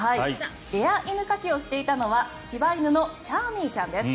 エア犬かきをしていたのは柴犬のチャーミーちゃんです。